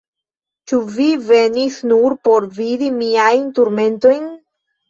Ĉu vi venis nur por vidi miajn turmentojn?